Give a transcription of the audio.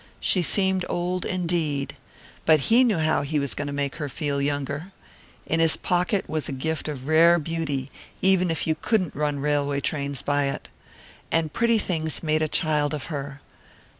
She seemed old, indeed. But he knew how he was going to make her feel younger. In his pocket was a gift of rare beauty, even if you couldn't run railway trains by it. And pretty things made a child of her.